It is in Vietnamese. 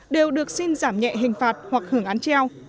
đều được xin giảm nhẹ hình phạt hoặc hưởng án treo